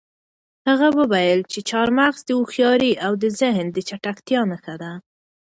هغه وویل چې چهارمغز د هوښیارۍ او د ذهن د چټکتیا نښه ده.